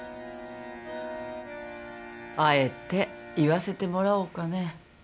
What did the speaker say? あえて言わせてもらおうかね。